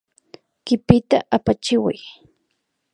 Kipita apachiway